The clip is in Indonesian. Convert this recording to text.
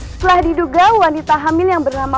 setelah diduga wanita hamil yang bernama